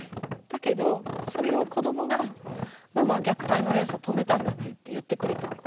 だけどそれを子どもが「ママは虐待の連鎖を止めたんだね」って言ってくれた。